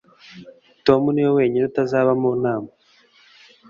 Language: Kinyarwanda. tom niwe wenyine utazaba mu nama